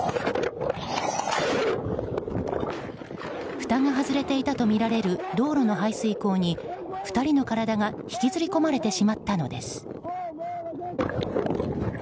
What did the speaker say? ふたが外れていたとみられる道路の排水口に２人の体が引きずり込まれてしまったのです。